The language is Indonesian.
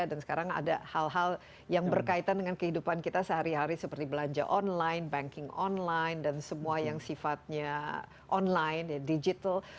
dan sekarang ada hal hal yang berkaitan dengan kehidupan kita sehari hari seperti belanja online banking online dan semua yang sifatnya online digital